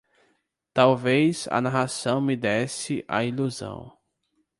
Talvez a narração me desse a ilusão